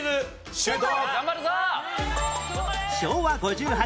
シュート！